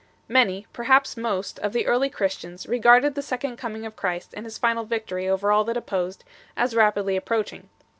Many, perhaps most, of the early Christians re garded the second coming of Christ, and His final victory over all that opposed, as rapidly approaching.